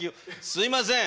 すいません。